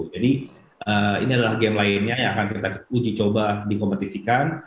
jadi ini adalah game lainnya yang akan kita uji coba dikompetisikan